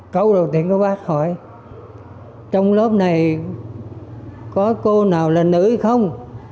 câu đầu tiên có bác hỏi trong lớp này có cô nào là nữ không